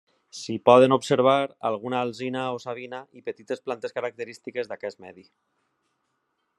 S'hi poden observar alguna alzina o savina i petites plantes característiques d'aquest medi.